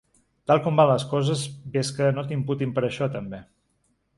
Tal com van les coses, ves que no t’imputin per això, també.